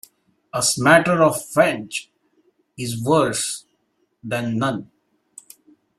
A smatter of French is worse than none.